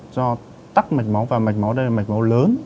do tắc mạch máu và mạch máu đây là mạch máu lớn